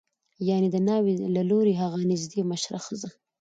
یعنې د ناوې له لوري هغه نژدې مشره ښځه